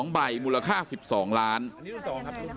๒ใบมูลค่า๑๒ล้านบาท